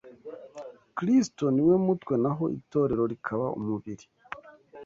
Kristo ni we mutwe naho itorero rikaba umubiri